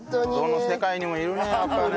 どの世界にもいるねやっぱね。